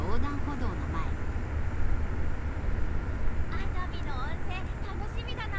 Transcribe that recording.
熱海の温泉楽しみだなあ。